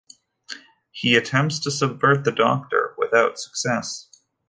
He attempts to subvert the Doctor, without success.